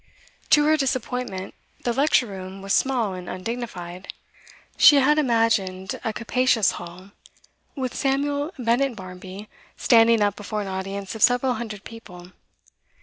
To her disappointment, the lecture room was small and undignified; she had imagined a capacious hall, with Samuel Bennett Barmby standing up before an audience of several hundred people.